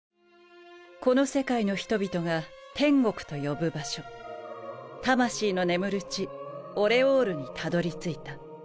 この世界の人々が天国と呼ぶ場所魂の眠る地魂の眠る地にたどり着いた。